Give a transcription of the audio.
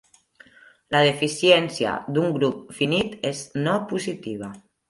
La deficiència d'un grup finit és no-positiva.